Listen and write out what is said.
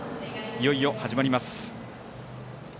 いよいよ始まります。